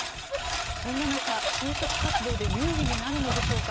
そんな中、就職活動で有利になるのでしょうか